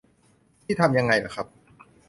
นี่ทำยังไงหรอครับ : ?